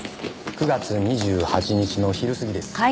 ９月２８日の昼過ぎです。